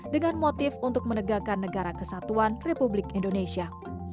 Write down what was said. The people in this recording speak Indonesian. dengan motif untuk menegakkan negara kesatuan republik indonesia